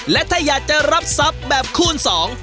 และถ้าอยากจะรับทรัพย์แบบคูณสอง